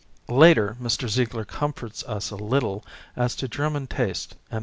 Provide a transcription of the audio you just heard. Later, Mr. Zieg ler comforts us a little as to German taste and.